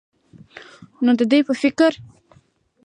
نو د دوي په فکر